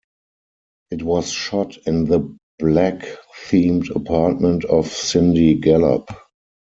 It was shot in the black themed apartment of Cindy Gallop.